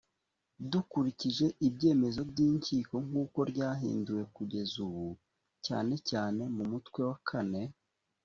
dukurikije ibyemezo by’inkiko nk’uko ryahinduwe kugeza ubu cyane cyane mu mutwe wa kane